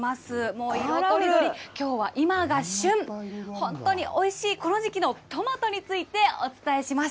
もう色とりどり、きょうは今が旬、本当においしいこの時期のトマトについてお伝えします。